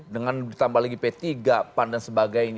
dengan ditambah lagi p tiga pan dan sebagainya